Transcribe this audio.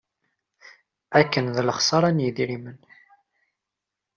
Akken d lexṣara n yidrimen!